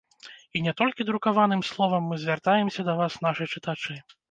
І не толькі друкаваным словам мы звяртаемся да вас, нашы чытачы.